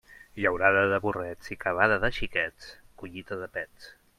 Llaurada de burrets i cavada de xiquets, collita de pets.